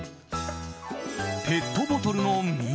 ペットボトルの水。